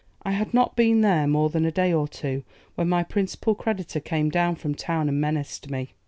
'I had not been there more than a day or two, when my principal creditor came down from town and menaced me.